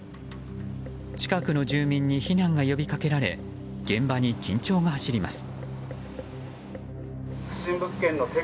近くの住民に避難が呼び掛けられ現場に緊張が走ります。